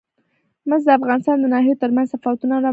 مس د افغانستان د ناحیو ترمنځ تفاوتونه رامنځ ته کوي.